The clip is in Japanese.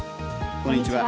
こんにちは。